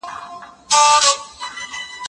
ليکنه وکړه!؟